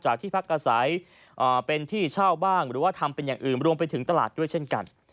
ที่พักอาศัยเป็นที่เช่าบ้างหรือว่าทำเป็นอย่างอื่นรวมไปถึงตลาดด้วยเช่นกัน